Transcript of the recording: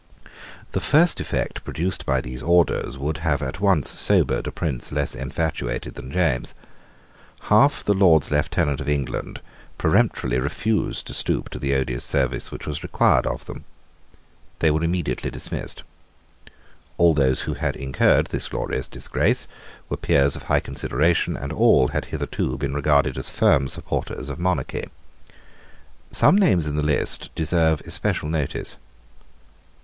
The first effect produced by these orders would have at once sobered a prince less infatuated than James. Half the Lords Lieutenants of England peremptorily refused to stoop to the odious service which was required of them. They were immediately dismissed. All those who incurred this glorious disgrace were peers of high consideration; and all had hitherto been regarded as firm supporters of monarchy. Some names in the list deserve especial notice.